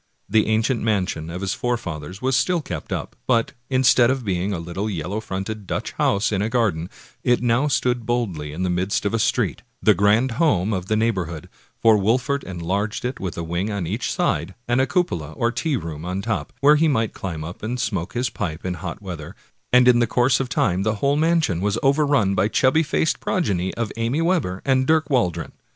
The ancient mansion of his forefathers was still kept up, but, instead of being a little yellow fronted Dutch house in a garden, it now stood boldly in the midst of a street, the grand home of the neighborhood; for Wolfert enlarged it with a wing on each side, and a cupola or tea room on top, where he might climb up and smoke his pipe in hot weather, and in the course of time the whole mansion was overrun by the chubby faced progeny of Amy Webber and Dirk Waldron.